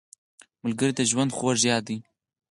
ملګری د ژوند خوږ یاد دی